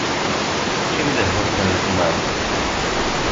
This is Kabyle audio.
D timdehhebt n lekmam.